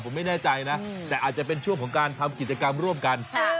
ผมไม่แน่ใจนะแต่อาจจะเป็นช่วงของการทำกิจกรรมร่วมกัน